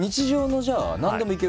何でもいけます